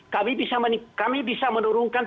kami bisa menurunkan